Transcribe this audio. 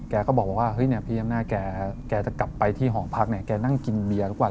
แกก็บอกว่าพี่ย้ำนาจแกจะกลับไปที่หอมพักแกนั่งกินเบียร์ทุกวัน